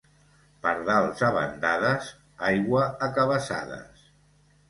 Pardals a bandades, aigua a cabassades.